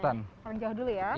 oke paling jauh dulu ya